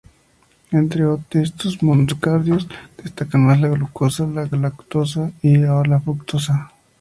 Entre estos monosacáridos destacan más: la glucosa, la galactosa o la fructosa.